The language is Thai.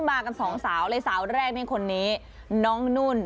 มากันสองสาวเลยสาวแรกนี่คนนี้น้องนุ่น